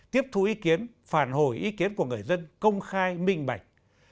tiếp thu ý kiến phản hồi ý kiến của người dân công khai minh bạch